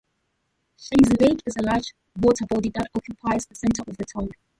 Chazy Lake is a large water body that occupies the center of the town.